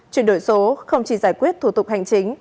chuyển đổi số không chỉ giải quyết thủ tục hành chính